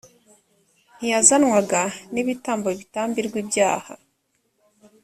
ntiyazanwaga n ibitambo bitambirwa ibyaha